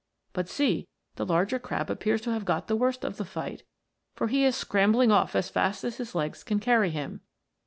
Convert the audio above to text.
But see, the larger crab appears to have got the worst of the fight, for he is scrambling off as fast as his legs can carry him.